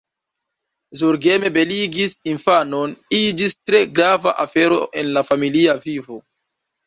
Zorgeme beligi infanon iĝis tre grava afero en la familia vivo.